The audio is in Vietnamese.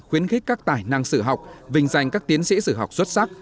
khuyến khích các tài năng sử học vinh danh các tiến sĩ sử học xuất sắc